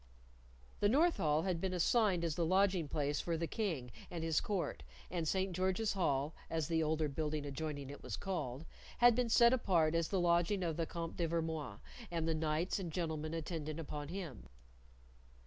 The North Hall had been assigned as the lodging place for the King and his court, and St. George's Hall (as the older building adjoining it was called) had been set apart as the lodging of the Comte de Vermoise and the knights and gentlemen attendant upon him.